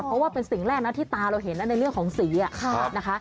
เพราะว่าเป็นสิ่งแรกนะที่ตาเราเห็นแล้วในเรื่องของสีนะคะ